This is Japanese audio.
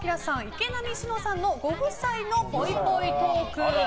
池波志乃さんのご夫妻のぽいぽいトーク。